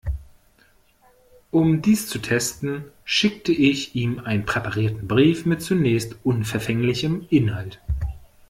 Um dies zu testen, schickte ich ihm einen präparierten Brief mit zunächst unverfänglichem Inhalt.